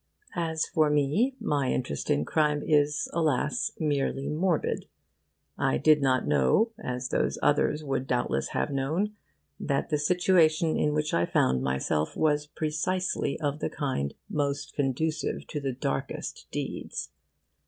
As for me, my interest in crime is, alas, merely morbid. I did not know, as those others would doubtless have known, that the situation in which I found myself was precisely of the kind most conducive to the darkest deeds.